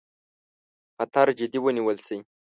خطر جدي ونیول شي.